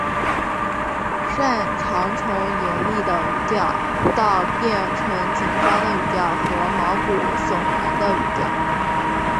善长从严厉的语调到变成紧张的语调和毛骨悚然的语调。